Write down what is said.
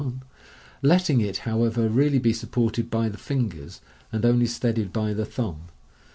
61), letting it, however, really be supported by the fingers, and only steadied by the thumb.